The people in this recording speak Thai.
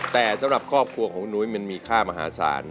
แต่สำหรับครอบครัวของคุณนุ้ยมันมีค่ามหาศาล